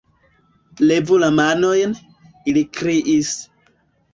"Levu la manojn", ili kriis.